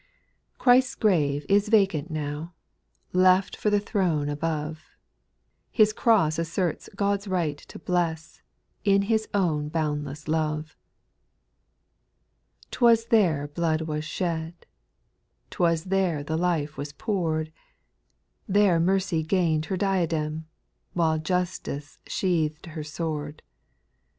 /CHRIST'S grave is vacant now, \J Left for the throne above, His cross asserts God's right to bless, In His own boundless love. 2. 'T was there blood was shed, 'T was there the life was pour'd, There mercy gained her diadem, While justice sheath'd her sword.